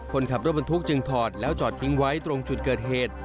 คนขับรถบรรทุกจึงถอดแล้วจอดทิ้งไว้ตรงจุดเกิดเหตุ